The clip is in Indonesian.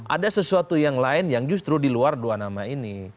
ada sesuatu yang lain yang justru di luar dua nama ini